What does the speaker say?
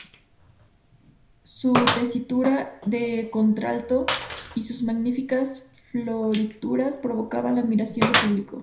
Su tesitura de contralto y sus magníficas florituras provocaban la admiración del público.